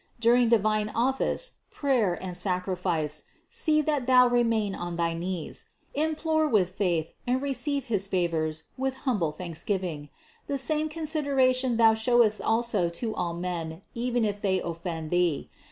During divine office, prayer, and sacrifice see that thou remain on thy knees ; implore with faith and receive his favors with humble thanksgiving ; the same consideration thou shouldst show also to all men, even if they offend thee.